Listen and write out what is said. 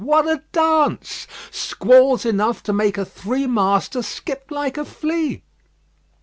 What a dance! Squalls enough to make a three master skip like a flea.